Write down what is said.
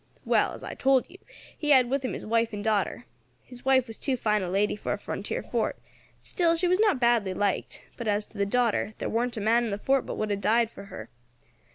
Well, as I told you, he had with him his wife and daughter. His wife was too fine a lady for a frontier fort, still, she was not badly liked: but as to the daughter, there warn't a man in the fort but would have died for her.